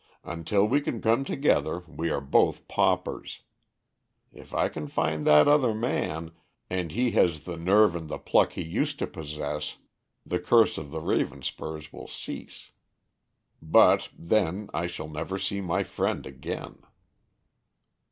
Until we can come together, we are both paupers. If I can find that other man, and he has the nerve and the pluck he used to possess, the curse of the Ravenspurs will cease. But, then, I shall never see my friend again."